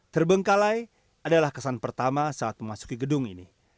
terbengkalai adalah kesan pertama saat memasuki gedung ini